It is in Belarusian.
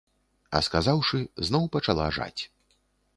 А сказаўшы, зноў пачала жаць.